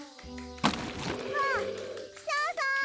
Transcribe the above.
あクシャさん！